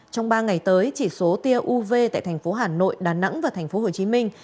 trong ba ngày tới chỉ số tia uv tại thành phố hà nội đà nẵng và thành phố hồ chí minh